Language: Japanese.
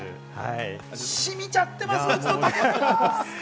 しみちゃってます、うちの武田が。